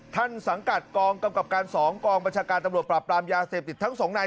สังกัดกองกำกับการ๒กองบัญชาการตำรวจปราบปรามยาเสพติดทั้งสองนาย